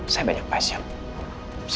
saya banyak pasien silahkan pergi